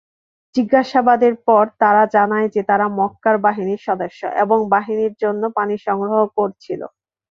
জিজ্ঞাসাবাদের পর তারা জানায় যে তারা মক্কার বাহিনীর সদস্য এবং বাহিনীর জন্য পানি সংগ্রহ করছিল।